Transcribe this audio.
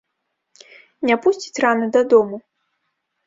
Не пусціць рана дадому.